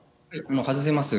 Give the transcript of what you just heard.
外せます。